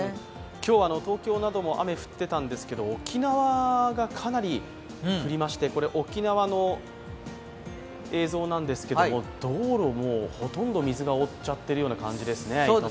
今日、東京なども雨が降っていたんですけど沖縄がかなり降りまして、これ、沖縄の映像なんですけど、道路をもうほとんど水が覆ってしまっている感じですね。